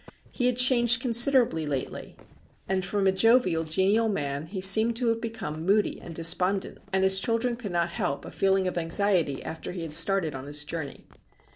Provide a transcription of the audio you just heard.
He had changed considerably lately, and from a jovial, genial man, he seemed to have become moody and despondent, and his children could not help a feeling of anxiety after he had started on his journey.